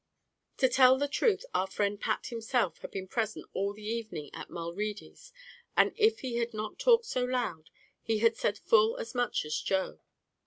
To tell the truth, our friend Pat himself had been present all the evening at Mulready's, and if he did not talk so loud, he had said full as much as Joe.